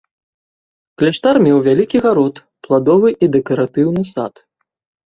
Кляштар меў вялікі гарод, пладовы і дэкаратыўны сад.